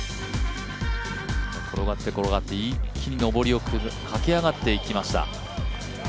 転がって、転がって、一気に上りを駆け上がっていきました。